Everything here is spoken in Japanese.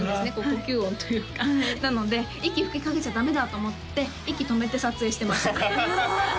呼吸音というかなので息吹きかけちゃダメだと思って息止めて撮影してましたうわ